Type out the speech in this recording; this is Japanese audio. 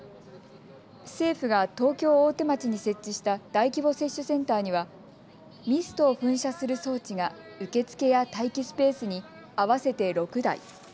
政府が東京大手町に設置した大規模接種センターにはミストを噴射する装置が受付や待機スペースに合わせて６台。